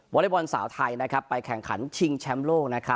วรีบรสาวไทไปแข่งขันชิงแชมป์โลก